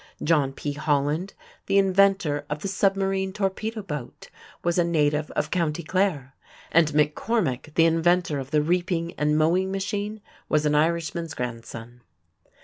John P. Holland, the inventor of the submarine torpedo boat, was a native of Co. Clare; and McCormick, the inventor of the reaping and mowing machine, was an Irishman's grandson.